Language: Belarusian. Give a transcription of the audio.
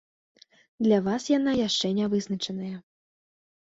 Для вас яна яшчэ не вызначаная.